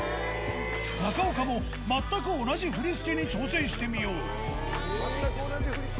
中岡も全く同じ振り付けに挑戦してみよう。